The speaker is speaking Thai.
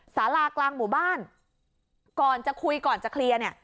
สารากลางหมู่บ้านก่อนจะคุยก่อนจะเคลียร์เนี่ย